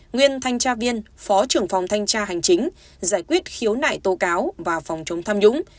nguyên thanh tra viên phó trưởng phòng thanh tra hành chính giải quyết khiếu nại tố cáo và phòng chống tham nhũng